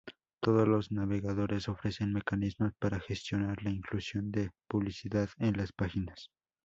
Todos los navegadores ofrecen mecanismos para gestionar la inclusión de publicidad en las páginas.